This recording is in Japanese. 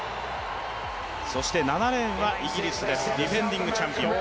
７レーンはイギリスです、ディフェンディングチャンピオン。